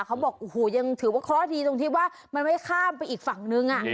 เขาบอกโอ้โหยังถือว่าเคราะห์ดีตรงที่ว่ามันไม่ข้ามไปอีกฝั่งนึง